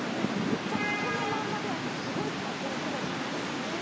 むっちゃこのまんまであとすごい心配りの人。